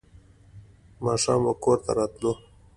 ماښام به کور ته راتلو.